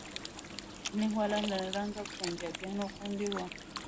ټرېننگ والا له رنګه پنجابيانو غوندې و.